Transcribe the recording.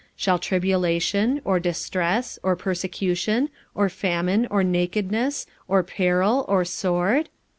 shall tribulation, or distress, or persecution, or famine, or nakedness, or peril, or sword?